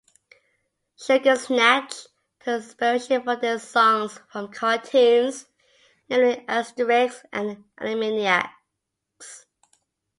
Sugar Snatch took inspiration for their songs from cartoons, namely Asterix and Animaniacs.